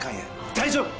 大丈夫！